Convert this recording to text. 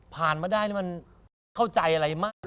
ผ่านมาได้แล้วเข้าใจอะไรมาก